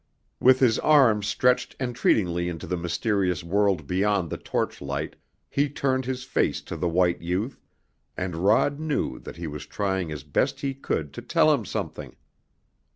With his arms stretched entreatingly into the mysterious world beyond the torch light he turned his face to the white youth, and Rod knew that he was trying as best he could to tell him something.